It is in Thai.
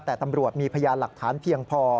แต่ตำรวจมีพยานหลักฐานเพียงพอ